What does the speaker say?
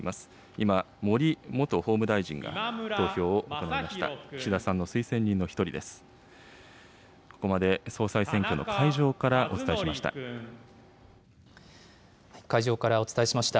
今、森元法務大臣が投票を行いました。